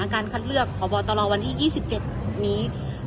การคัดเลือกพบตรวันที่๒๗นี้